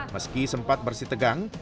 meski sempat bersih tegang